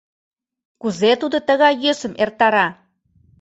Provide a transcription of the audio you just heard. Кузе тудо тыгай йӧсым эртара?